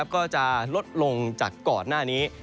ก็จะลดลงจากก่อนหน้านี้